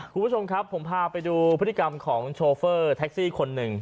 คุณผู้ชมครับผมพาไปดูพฤติกรรมของโชเฟอร์แท็กซี่คนหนึ่ง